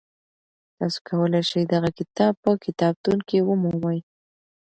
تاسو کولی شئ دغه کتاب په کتابتون کي ومومئ.